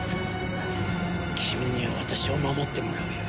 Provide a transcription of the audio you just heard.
君には私を守ってもらうよ。